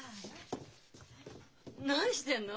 何してんの？